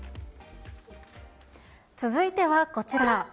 続いてはこちら。